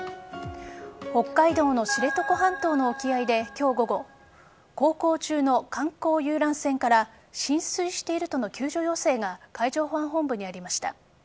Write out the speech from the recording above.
北海道の知床半島の沖合で今日午後航行中の観光遊覧船から浸水しているとの救助要請が海上保安本部にありました。